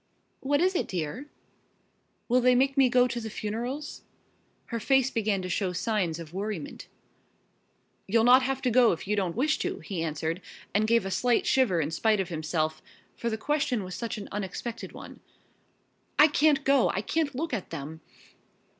"What is it, dear?" "Will they make me go to the funerals?" Her face began to show signs of worriment. "You'll not have to go if you don't wish to," he answered, and gave a slight shiver in spite of himself, for the question was such an unexpected one. "I can't go I can't look at them!